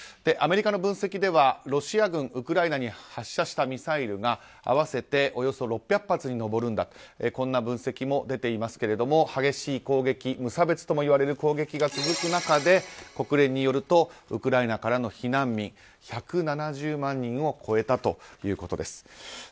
アメリカの分析ではロシア軍ウクライナに発射したミサイルが合わせておよそ６００発に上るとこんな分析も出ていますが激しい攻撃、無差別ともいわれる攻撃が続く中で国連によるとウクライナからの避難民１７０万人を超えたということです。